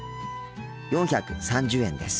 ４３０円です。